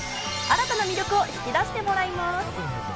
新たな魅力を引き出してもらいます。